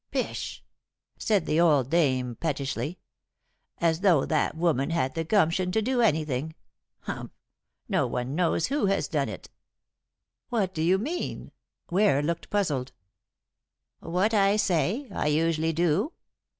"Pish!" said the old dame pettishly. "As though that woman had the gumption to do anything. Humph! No one knows who has done it." "What do you mean?" Ware looked puzzled. "What I say; I usually do.